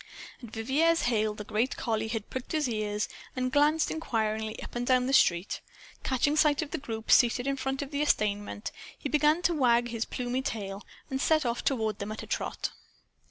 At Vivier's hail the great collie had pricked his ears and glanced inquiringly up and down the street. Catching sight of the group seated in front of the estaminet, he began to wag his plumy tail and set off toward them at a trot.